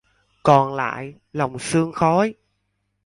Còn lại lòng sương khói